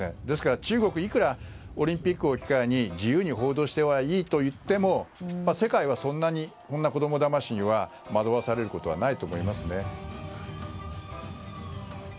ですから中国がいくらオリンピックを機会に自由に報道してはいいといっても世界はそんな子供だましには惑わされることはないと思いますね。